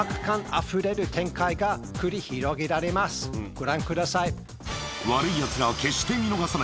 ご覧ください。